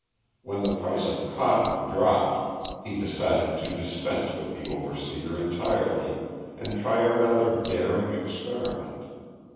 When the price of cotton dropped, he decided to dispense with the overseer entirely and try a rather daring experiment.